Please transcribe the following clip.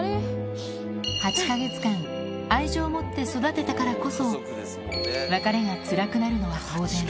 ８か月間、愛情をもって育てたからこそ、別れがつらくなるのは当然。